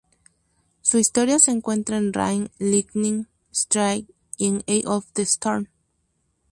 Su historia se cuenta en "Rain", "Lightning Strikes" y "Eye of the Storm".